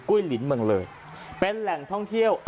ลินเมืองเลยเป็นแหล่งท่องเที่ยว